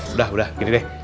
udah udah gini deh